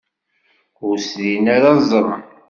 Ur srin ara ad ẓren.